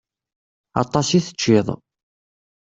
Aṭas i teččiḍ.